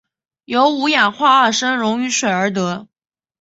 由五氧化二砷溶于水而得。